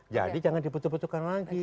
jadi jangan dibentur benturkan lagi